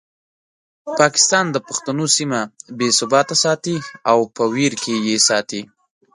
پاکستان د پښتنو سیمه بې ثباته ساتي او په ویر کې یې ساتي.